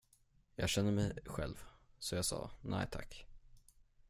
Jag känner mig själv, så jag sa, nej tack.